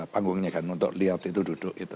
panggungnya kan untuk lihat itu duduk itu